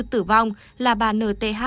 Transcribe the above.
tử vong là bà nth